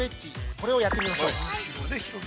これをやっていきましょう。